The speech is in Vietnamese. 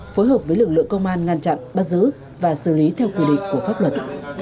phối hợp với lực lượng công an ngăn chặn bắt giữ và xử lý theo quy định của pháp luật